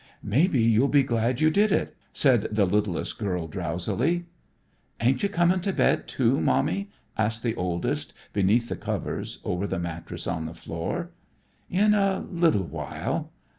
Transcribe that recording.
"Maybe you'll be glad you did it," said the littlest girl drowsily. "Ain't you comin' to bed, too, Mommy?" asked the oldest, beneath the covers over the mattress on the floor. "In a little while."